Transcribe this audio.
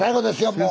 もう。